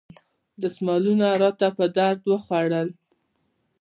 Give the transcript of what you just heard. دستمالونو راته په درد وخوړل.